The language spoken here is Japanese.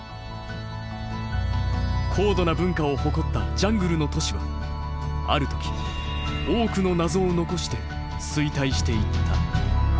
高度な文化を誇ったジャングルの都市はある時多くの謎を残して衰退していった。